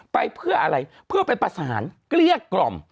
ไปเพื่ออะไรเพื่อไปประสานเกลี้ยกล่อม